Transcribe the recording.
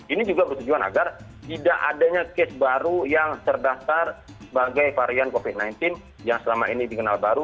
ini juga bertujuan agar tidak adanya case baru yang terdaftar sebagai varian covid sembilan belas yang selama ini dikenal baru